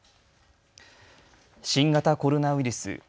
新型コロナウイルス。